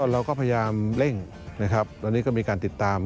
เราก็พยายามเร่งนะครับตอนนี้ก็มีการติดตาม